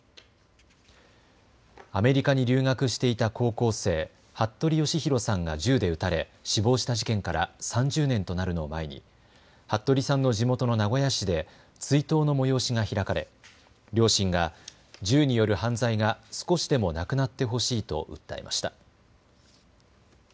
アメリカに留学していた高校生、服部剛丈さんが銃で撃たれ死亡した事件から３０年となるのを前に服部さんの地元の名古屋市で追悼の催しが開かれ両親が銃による犯罪が少しでもなくなってほしいと訴えました。